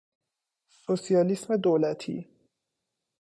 سوسیالیسم دولتی